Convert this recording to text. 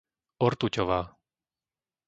Ortuťová